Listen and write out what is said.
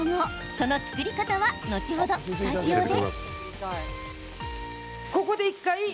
その作り方は、後ほどスタジオで。